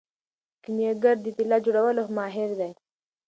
کیمیاګر د طلا جوړولو ماهر دی.